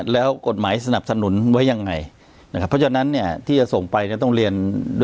แล้วกฎหมายสนับสนุนไว้ยังไงนะครับเพราะฉะนั้นเนี่ยที่จะส่งไปเนี่ยต้องเรียน